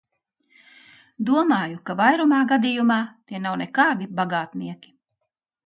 Domāju, ka vairumā gadījumā tie nav nekādi bagātnieki.